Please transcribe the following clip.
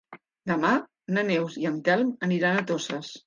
Demà na Neus i en Telm aniran a Toses.